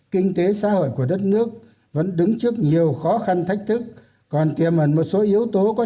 kinh tế xã hội của đất nước vẫn đứng trước nhiều khó khăn thách thức còn tiềm ẩn một số yếu tố có